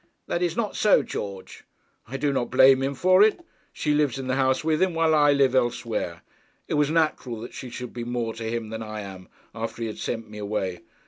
'That is not so, George.' 'I do not blame him for it. She lives in the house with him, while I live elsewhere. It was natural that she should be more to him than I am, after he had sent me away.